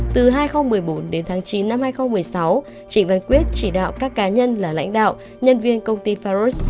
từ hai nghìn một mươi bốn đến tháng chín năm hai nghìn một mươi sáu chị văn quyết chỉ đạo các cá nhân là lãnh đạo nhân viên công ty faros